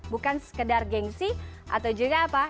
bukan sekedar gengsi atau juga apa